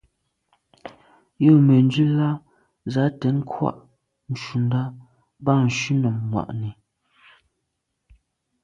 Jə̂ mə̀ndzwí lá zǎ tɛ̌n kghwâ’ ncùndá bâ shúnɔ̀m mwà’nì.